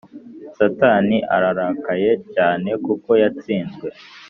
satani ararakaye cyane kuko yatsinzwe